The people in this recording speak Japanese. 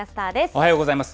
おはようございます。